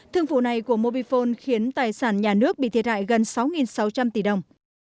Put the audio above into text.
thương vụ này của mobifone khiến tài sản nhà nước bị thiệt hại gần sáu sáu trăm linh tỷ đồng